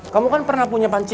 kamu kan pernah punya panci